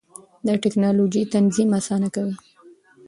دا ټېکنالوژي تنظیم اسانه کوي.